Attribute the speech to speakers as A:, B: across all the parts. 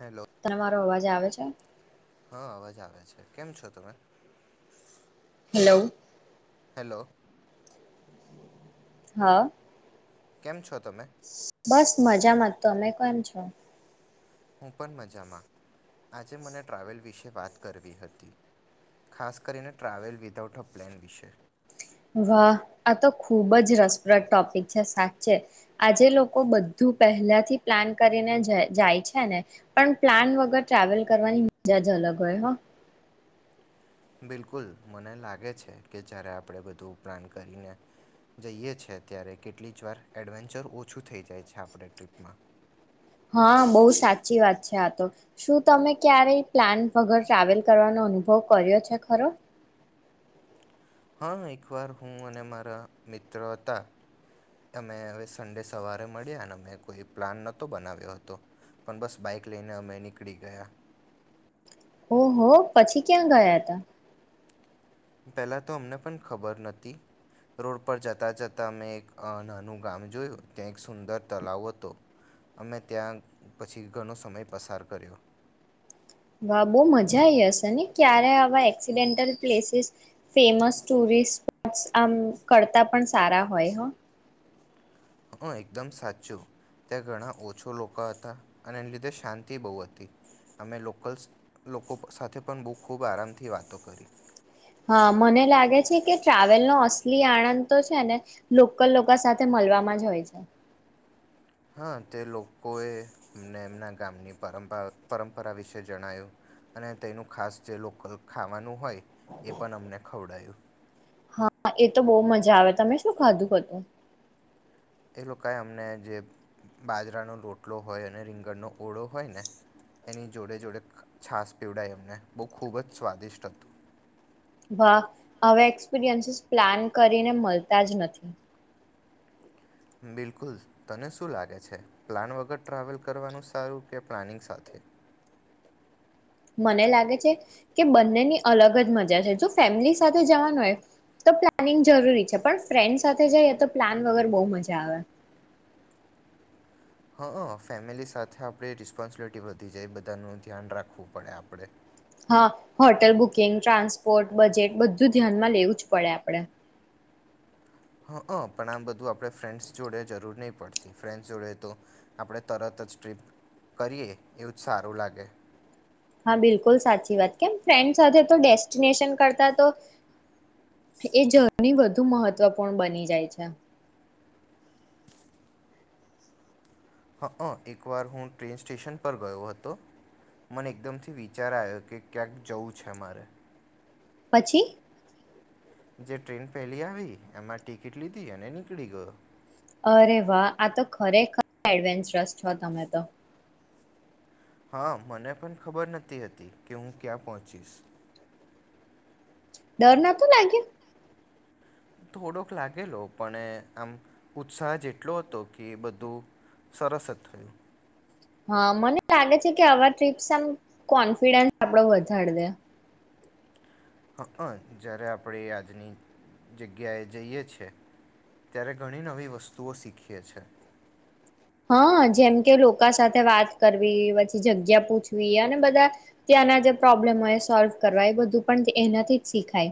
A: Hello
B: ત મારો અવાજ આવે છે
A: હા અવાજ આવે છે કેમ છો તમે
B: હેલો
A: હેલો
B: હા
A: કેમ છો તમે
B: બસ મજા મત તમે કોમ છો
A: હું પણ મજામાં આજે મને ટ્રાવેલ વિશે વાત કરવી હતી ખાસ કરીને ટ્રાવેલ વિદાઉટ અ પ્લેન વિશે
B: વાહ, આ તો ખૂબ જ રસપ્રદ ટોપિક છે. સાચે આજે લોકો બધું પહેલાથી પ્લાન કરીને જાય છે ને, પણ પ્લાન વગર ટ્રાવેલ કરવાની મજા જ અલગ હોય હો.
A: બિલકુલ, મને લાગે છે કે જ્યારે આપણે બધું પ્લાન કરીને જઈએ છે, ત્યારે કેટલી જ વાર એડવેન્ચર ઓછું થઈ જાય છે આપણે ટ્રીપમાં
B: હા, બહુ સાચી વાત છે આ તો. શું તમે ક્યારેય પ્લાન વગર ટ્રાવેલ કરવાનો અનુભવ કર્યો છે ખરો?
A: હા, એકવાર હું અને મારા મિત્ર હતા. અમે હવે સડે સવારે મળ્યા ને, અં કોઈ પ્લાન નહોતો બનાવ્યો હતો, પણ બસ બાઈક લઈને અમે નીકળી ગયા.
B: ઓહ, પછી ક્યાં ગયા હતા?
A: પહેલાં તો અમને પણ ખબર નથી. રોડ પર જતા જતાં મેં એક નાનું ગામ જોયું, ત્યાં એક સુંદર તળાવ હતો. અમે ત્યાં પછી ઘણો સમય પસાર કર્યો.
B: વાહ, બહુ મજા આવીઈ હશે ને! ક્યારે આવા accidental places famous tourist spot આમ કરતા પણ સારા હોય. હ.
A: હં, એકદમ સાચું. ત્યાં ઘણા ઓછા લોકો હતા અને એના લીધે શાંતિ બહુ હતી. અમે લોકલ્સ લોકો સાથે પણ બહુ ખૂબ આરામથી વાતો કરી.
B: હા, મને લાગે છે કે ટ્રાવેલનો અસલી આણંદ તો છે ને, લોકલ લોકો સાથે મળવામાં જ હોય છે.
A: હા, તે લોકોએ અમને એમના ગામની પરંપરાગત પરંપરા વિશે જણાવ્યું, અને તેનું ખાસ જે લોકલ ખાવાનું હોય. એ પણ અમને ખવડાયું.
B: હા, એ તો બહુ મજા આવે તમે શું ખાધું હતું?
A: એ લોકોએ અમને જે બાજરાનો રોટલો હોય અને રીંગણનો ઓળો હોય ને, એની જોડે જોડે છાસ પીવડાવ્યું. એમને બહુ ખૂબ જ સ્વાદિષ્ટ હતું.
B: વાહ, હવે એક્સપિરિયન્સીસ પ્લાન કરીને મળતા જ નથી.
A: બિલકુલ, તને શું લાગે છે? પ્લાન વગર ટ્રાવેલ કરવાનું સારું કે પ્લાનિંગ સાથે?
B: મને લાગે છે કે બંનેની અલગ જ મજા છે. જો ફેમિલી સાથે જવાનું હોય, તો પ્લાનિંગ જરૂરી છે, પણ ફ્રેન્ડ સાથે જઈએ, તો પ્લાન વગર બહુ મજા આવે.
A: હા, ફેમિલી સાથે આપણે રિસ્પોન્સિબિલિટી વધી જાય. બધાનું ધ્યાન રાખવું પડે આપણને.
B: હા, હોટલ બુકિંગ, ટ્રાન્સપોર્ટ, બજેટ-બધું ધ્યાનમાં લેવું જ પડે આપડે.
A: હ, પણ આમ બધું આપણે ફ્રેન્ડ્સ જોડે જરૂર નહીં પડતી. ફ્રેન્ડ્સ જોડે તો આપણે તરત જ ટ્રીપ કરીએ, એવું જ સારું લાગે.
B: હા, બિલકુલ સાચી વાત. કેમ, ફ્રેન્ડ સાથે તો ડેસ્ટિનેશન કરતા તો એ જર્ની વધુ મહત્વપૂર્ણ બની જાય છે.
A: હ, અ એકવાર હું ટ્રેન સ્ટેશન પર ગયો હતો. મને એકદમથી વિચાર આવ્યો કે ક્યાંક જવું છે મારે.
B: પછી?
A: જે ટ્રેન પહેલી આવી, એમાં ટિકિટ લીધી અને નીકળી ગયો.
B: અરે વાહ, આ તો ખરેખર એડવેન્ચરસ છો તમે તો!
A: હા, મને પણ ખબર નથી હતી કે હું ક્યાં પહોંચીશ.
B: ડર નાતો લાગ્યો?
A: થોડોક લાગેલો, પણ આમ ઉત્સાહ જ એટલો હતો કે એ બધું સરસ જ થયું.
B: હા, મને લાગે છે કે આવા ટ્રીપ્સ આમ કોન્ફિડન્સ આપડો વધારે દે.
A: હ, જ્યારે આપણે આજની જગ્યાએ જઈએ છે, ત્યારે ઘણી નવી વસ્તુઓ શીખીએ છે.
B: હા, જેમ કે લોકો સાથે વાત કરવી, પછી જગ્યા પૂછવી, અને બધા ત્યાંના જે પ્રોબ્લેમ હોય, સોલ્વ કરવા-એ બધું પણ એનાથી જ શીખાય.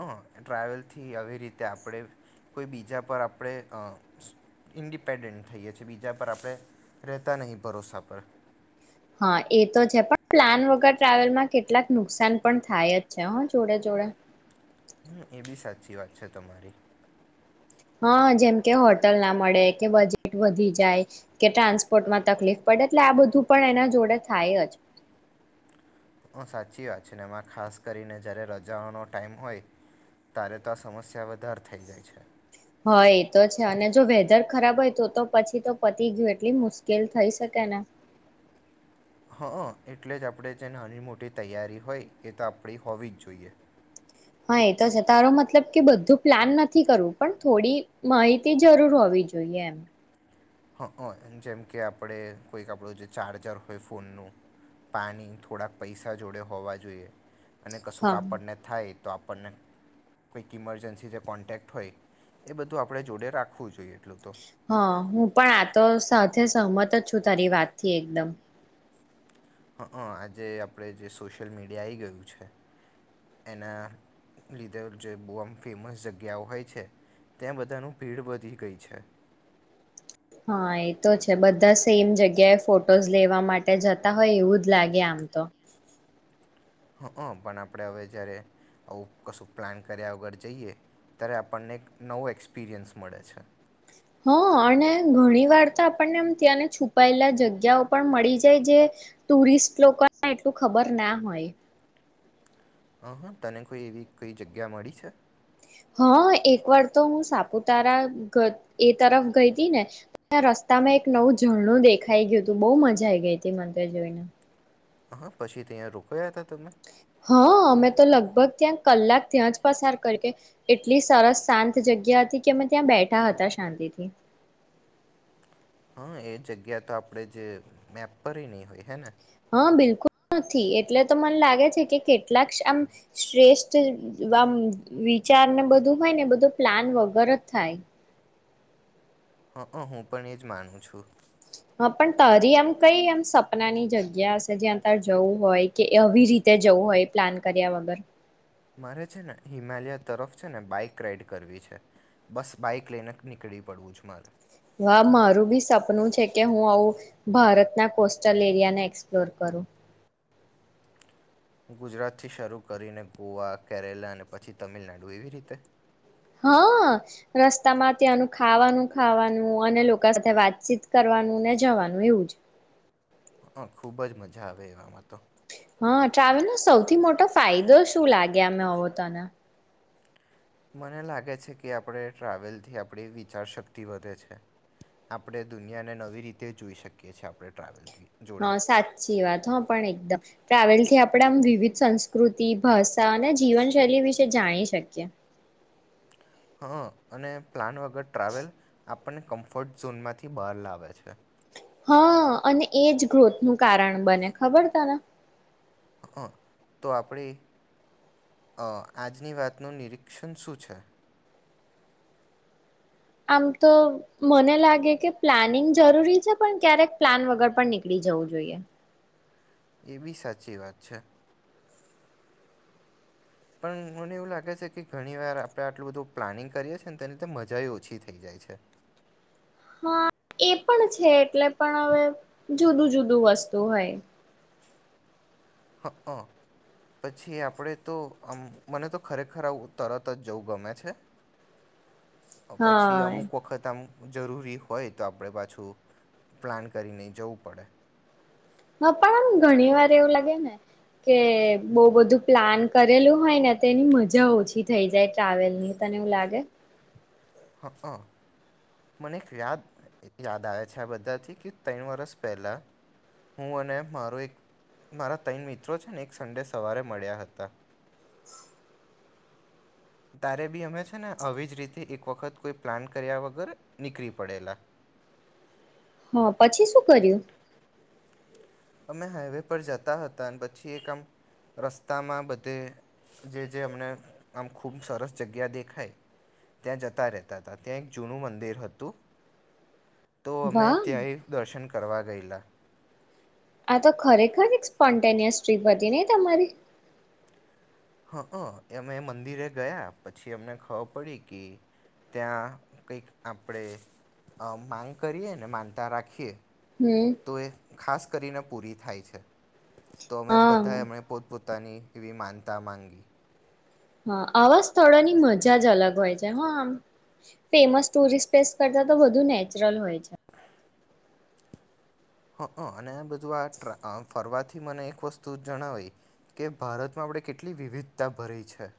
A: હ, ટ્રાવેલથી આવી રીતે આપણે કોઈ બીજા પર. આપણે ઇન્ડિપેન્ડન્ટ થઈએ છીએ. બીજા પર આપણે રહેતા નહીં, ભરોસા પર.
B: હા, એ તો છે, પણ પ્લાન વગર ટ્રાવેલમાં કેટલાક નુકસાન પણ થાય જ છે, હા, જોડે જોડે.
A: હમ, એ બી સાચી વાત છે તમારી.
B: હા, જેમ કે હોટલ ના મળે, કે બજેટ વધી જાય, કે ટ્રાન્સપોર્ટમાં તકલીફ પડે, એટલે આ બધું પણ એના જોડે થાય જ.
A: હ, સાચી વાત છે ને. એમાં ખાસ કરીને જયારે રજાઓનો ટાઈમ હોય, ત્યારે તો આ સમસ્યા વધારે થઈ જાય છે.
B: હા, એતો છે, અને જો વેધર ખરાબ હોય, તો તો પછી તો પતી ગયું! એટલી મુશ્કેલ થઈ શકે ને?
A: હં, એટલે જ આપણે જે નાની-મોટી તૈયારી હોય, એ તો આપણી હોવી જ જોઈએ.
B: હા, એ તો છે. તારો મતલબ કે બધું પ્લાન નથી કરવું, પણ થોડી માહિતી જરૂર હોવી જોઈએ, એમ?
A: હ, જેમ કે આપણે કોઈક આપણું જે ચાર્જર હોય ફોનનું, પાણી, થોડાક પૈસા-જોડે હોવા જોઈએ. અને કશું
B: હા
A: કાપડને થાય. તો આપણને કોંઈક ઇમરજન્સી જે કોન્ટેક્ટ હોય, એ બધું આપણે જોડે રાખવું જોઈએ, એટલું તો.
B: હા, હું પણ આ તો સાથે સહમત જ છું, તારી વાતથી એકદમ.
A: હ, આજે આપણે જે સોશિયલ મીડિયા આવી ગયું છે, એના લીધે જે બહુ આમ ફેમસ જગ્યાઓ હોય છે, ત્યાં બધાનું ભીડ વધી ગઈ છે.
B: હા, એ તો છે. બધા સેમ જગ્યાએ ફોટોઝ લેવા માટે જતા હોય, એવું જ લાગે આમ તો.
A: હ, હં, પણ આપણે હવે જ્યારે આવું કશું પ્લાન કર્યા વગર જઈએ, ત્યારે આપણને એક નવું એક્સપિરિયન્સ મળે છે.
B: હ, અને ઘણી વાર તો આપણને એમ ત્યાંને છુપાયેલા જગ્યાઓ પણ મળી જાય, જે ટુરિસ્ટ લોકોને એટલું ખબર ના હોય.
A: હ, હા, તને કોઈ એવી કોઈ જગ્યા મળી છે?
B: હા, એક વાર તો હું સાપુતારા એ તરફ ગઈ હતી ને, તા રસ્તામાં એક નવું ઝરણું દેખાઈ ગયું હતું. બહુ મજા આઈ ગઈ હતી, મંદિર જોઈને.
A: હા પછી ત્યાં રોકયા હતા તમે
B: હા અમે તો લગભગ ત્યાં કલાક ત્યાં જ પસાર કરી કે એટલી સરસ શાંત જગ્યા હતી કે અમે ત્યાં બેઠા હતા શાંતિથી
A: હા એ જગ્યા તો આપણે જે મેપ પર નહીં હોય હે ને
B: હા બિલકુલ નથી એટલે તો મને લાગે છે કે કેટલાક આમ શ્રેષ્ઠ આ વિચારને બધું હોય ને બધું પ્લાન વગર થાય
A: હ હું પણ એજ માનું છું
B: હ પણ તારી એમ કઈ એમ સપનાની જગ્યા હશે જ્યાં ત જવું હોય કે આવીવી રીતે જવું હોય પ્લાન કર્યા વગર
A: મારે છે ને હિમાલય તરફ છે ને બાઈક રાઈડ કરવી છે બસ બાઈક લઈને નીકળી પડવું છે મારે
B: વા મારું બી સપનું છે કે હું આવું ભારતના કોસ્ટલ એરિયાને એક્સપ્લોર કરું
A: ગુજરાતથી શરૂ કરીને ગોવા કેરલા અને પછી તમિલનાડુ એવી રીતે
B: હા રસ્તામાં ત્યાંનું ખાવાનું ખાવાનું અને લોકો સાથે વાતચીત કરવાનું ને જવાનું એવું જ
A: હા ખુબ જ મજા આવે એમાં તો
B: હા ટ્રાવેલ નો સૌથી મોટો ફાયદો શું લાગે અમે હો તને
A: મને લાગે છે કે આપણે ટ્રાવેલથી આપણી વિચારશક્તિ વધે છે આપણે દુનિયાને નવી રીતે જોઈ શકીએ છીએ આપણે ટ્રાવેલથી
B: હા સાચી વાત હ પણ એકદમ ટ્રાવેલ્સ થી આપણે આમ વિવિધ સંસ્કૃતિ ભાષા અને જીવનશૈલી વિશે જાણી શકીએ
A: હા અને પ્લાન વગર અગર ટ્રાવેલ આપ આપણને કમ્ફર્ટ ઝોન માંથી બહાર લાવે છે
B: હા અને એજ ગ્રોથ નું કારણ બને ખબર તને
A: હ તો આપણી આજની વાતનું નિરીક્ષણ શું છે
B: આમ તો મને લાગે કે પ્લાનિંગ જરૂરી છે પણ ક્યારેક પ્લાન વગર પણ નીકળી જવું જોઈએ
A: એ બી સાચી વાત છે પણ મને એવું લાગે છે કે ઘણી વાર આપણે આટલું બધું પ્લાનિંગ કરીએ છીએ ને તે લીધે મજા ઓછી થઈ જાય છે
B: હા એ પણ છે એટલે પણ હવે જુદું જુદું વસ્તુ હોય
A: હ પછી આપણે તો આમ મને તો ખરેખર આવું તરત જ જવું ગમે છે પછી
B: હા
A: અમુક વખત આમ જરૂરી હોય તો આપણે પાછું પ્લાન કરીને જવું પડે
B: હ પણ આમ ઘણી વાર એવું લાગે ને કે બહ બધું પ્લાન કરેલું હોય ને તે એની મજા ઓછી થઈ જાય ટ્રાવેલ ની તને એવું લાગે
A: હા હ મને એક યાદ યાદ આવે છે આ બધાથી કે ત્રણ વરસ પહેલાં હું અને મારો એક મારા ત્રણ મિત્રો છે ને એક સંડે સવારે મળ્યા હતા તારે બી અમે છે ને આવી જ રીતે એક વખત કોઈ પ્લાન કર્યા વગર નીકળી પડેલા
B: હા પછી શું કર્યું
A: અમે હાઈવે પર જતા હતા અને પછી એક આમ રસ્તામાં બધે જે જે અમને આમ ખૂબ સરસ જગ્યા દેખાય ત્યાં જતા રહેતા હતા ત્યાં એક જૂનું મંદિર હતું તો અમે
B: વાહ
A: ત્યાંય દર્શન કરવા ગઈલા
B: આ તો ખરેખર સ્પોન્ટેનિયસ ટ્રીપ હતી નહીં તમારી
A: હા એમે મંદિરે ગયા પછી અમને ખબર પડી કે ત્યાં કંઈક આપણે માંગ કરીએ ને માનતા રાખીએ
B: હમ
A: તો એ ખાસ કરીને પૂરી થાય છે તો અમે
B: હા
A: બધા એમને પોત પોત પોતાની એવી માનતા માંગી
B: હા આવા સ્થળોની મજા જ અલગ હોય છે હા આમ ફેમસ ટુરિસ્ટ પ્લેસ કરતા તો વધુ નેચરલ હોય છે
A: હ હ અને આ બધું આ ટ ફરવાથી મને એક વસ્તુ જણાવી કે ભારતમાં આપણે કેટલી વિવિધતા ભરી છે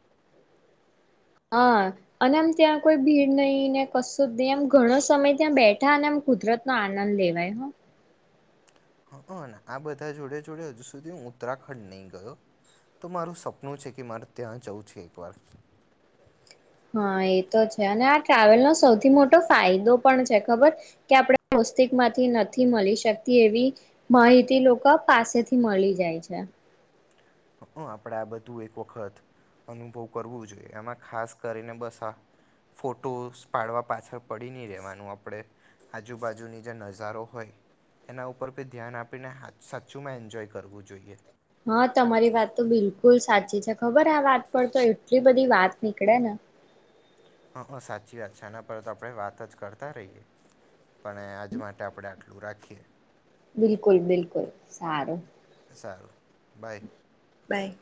B: હા અને આમ ત્યાં કોઈ ભીડ નહી ને કશું જ નહી એમ ઘણો સમય ત્યાં બેઠા અને એમ કુદરત નો આનંદ લેવાય હ
A: હ આ બધા જોડે જોડે હજુ સુધી હું ઉત્તરાખંડ નહી ગયો તો મારું સપનું છે કે મારે ત્યાં જઉં છે એક વાર
B: હા એ તો છે અને આ ટ્રાવેલનોો સૌથી મોટો ફાયદો પણ છે ખબર કે આપણે મુસ્તિક માંથી નથી મળી શકતી એવી માહિતી લોકો પાસેથી મળી જાય છે
A: હ આપણેે આ બધું એક વખત અનુભવ કરવું જોઈએ આમાં ખાસ કરીને બસ આ ફોટોસ પાડવા પાછળ પડી નહી રેવાનું આપણે આજુબાજુની જે નજારો હોય એના ઉપર કો ધ્યાન આપીને સાચુંમાં એન્જોય કરવું જોઈએ
B: હા તમારી વાત તો બિલકુલ સાચી છે ખબર આ વાત પર તો એટલી બધી વાત નીકળે ને
A: હા હ સાચી વાત છે આના પર તો આપણે વાત જ કરતા રહીએ પણ આજ માટે આપણે આટલું રાખીએ
B: બિલકુલ બિલકુલ સારું
A: સાર
B: બાય